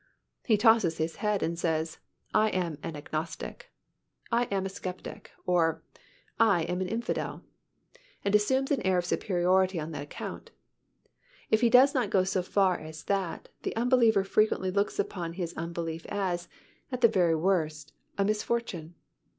He tosses his head and says, "I am an agnostic;" "I am a skeptic;" or, "I am an infidel," and assumes an air of superiority on that account. If he does not go so far as that, the unbeliever frequently looks upon his unbelief as, at the very worst, a misfortune.